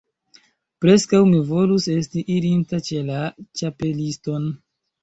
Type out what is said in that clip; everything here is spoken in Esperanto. Preskaŭ mi volus esti irinta ĉe la Ĉapeliston.